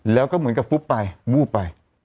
แล้วก็เหมือนกับปุ๊บไป